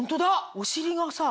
お尻がさぁ